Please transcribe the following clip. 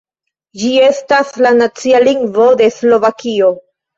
Ĝi estas la nacia lingvo de Slovakio.